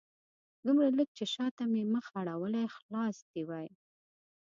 دومره لږ چې شاته مې مخ اړولی خلاص دې وای